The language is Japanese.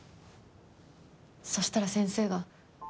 そしたら先生が。